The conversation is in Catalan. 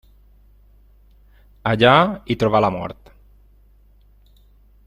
Allà hi trobà la mort.